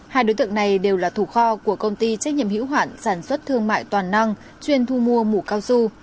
hai đối tượng này đều là thủ kho của công ty trách nhiệm hữu hoạn sản xuất thương mại toàn năng chuyên thu mua mũ cao su